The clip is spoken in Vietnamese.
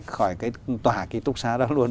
khỏi cái tòa kinh tục xá đó luôn